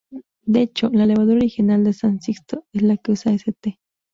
De hecho, la levadura original de San Sixto es la que usa St.